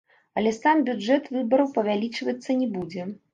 Але сам бюджэт выбараў павялічвацца не будзе.